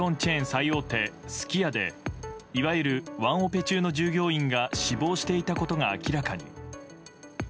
最大手すき家でいわゆるワンオペ中の従業員が死亡していたことが明らかに。